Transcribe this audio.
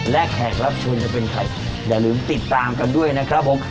และแขกรับเชิญจะเป็นใครอย่าลืมติดตามกันด้วยนะครับผม